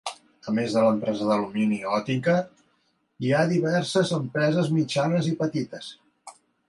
A més de l'empresa d'alumini Oettinger, hi ha diverses empreses mitjanes i petites.